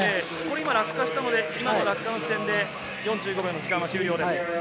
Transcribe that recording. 今落下したので、今の落下の時点で４５秒の時間は終了です。